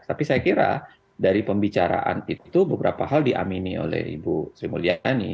tapi saya kira dari pembicaraan itu beberapa hal diamini oleh ibu sri mulyani